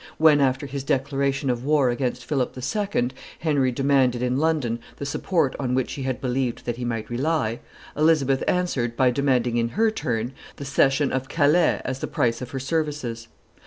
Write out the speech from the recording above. When, after his declaration of war against Philip II., Henry demanded in London the support on which he had believed that he might rely, Elizabeth answered by demanding in her turn the cession of Calais as the price of her services.